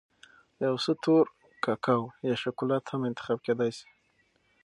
یو څه تور کاکاو یا شکولات هم انتخاب کېدای شي.